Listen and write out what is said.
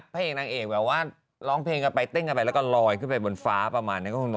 เพลงนางเอกแบบว่าร้องเพลงนับไปเต้นนะใบละกอดลอยขึ้นไปบนฟ้าประมาณนี้